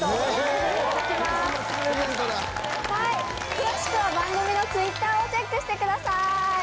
・詳しくは番組のＴｗｉｔｔｅｒをチェックしてください！